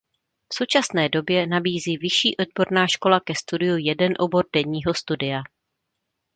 V současné době nabízí vyšší odborná škola ke studiu jeden obor denního studia.